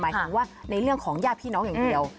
ถึงว่าในเรื่องของญาติพี่น้องอย่างเดียว